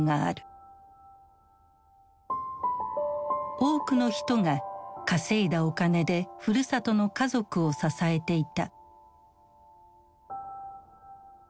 多くの人が稼いだお金でふるさとの家族を支えていた。